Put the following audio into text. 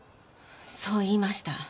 そう言いました。